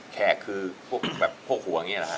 แขกคือแบบพวกหัวอย่างเงี้ยหรอฮะ